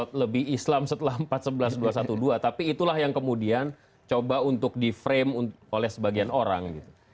atau lebih islam setelah empat sebelas dua ratus dua belas tapi itulah yang kemudian coba untuk di frame oleh sebagian orang gitu